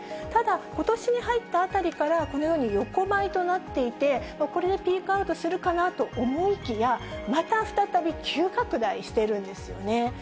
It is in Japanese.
ただ、ことしに入ったあたりから、このように横ばいとなっていて、これでピークアウトするかなと思いきや、また再び急拡大しているんですよね。